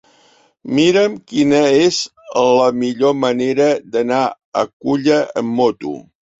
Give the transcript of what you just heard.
Mira'm quina és la millor manera d'anar a Culla amb moto.